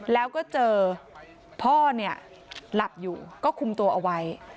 แล้วก็เจอพ่อเนี่ยหลับอยู่ก็คุมตัวเอาไว้